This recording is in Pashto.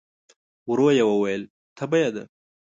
ورو يې وویل: تبه يې ده؟